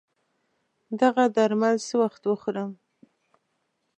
دغه درمل څه وخت وخورم